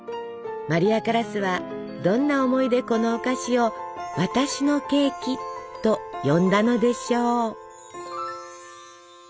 マリア・カラスはどんな思いでこのお菓子を「私のケーキ」と呼んだのでしょう。